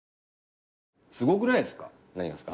すごくないですか？